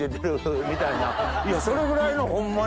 それぐらいのホンマに。